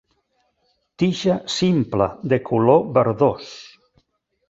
Tija simple de color verdós.